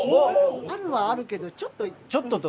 あるはあるけどちょっと。